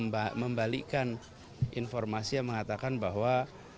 dan membalikan informasi yang mengatakan bahwa